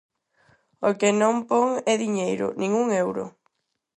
O que non pon é diñeiro, ¡nin un euro!